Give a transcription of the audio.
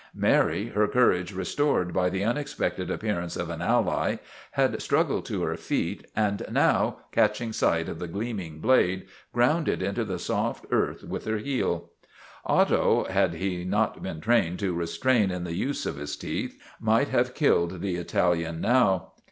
Mary, her courage restored by the unexpected ap pearance of an ally, had struggled to her feet, and STRIKE AT TIVERTON MANOR 145 now, catching sight of the gleaming blade, ground it into the soft earth with her heel. Otto, had he not been trained to restrain in the use of his teeth, might have killed the Italian now.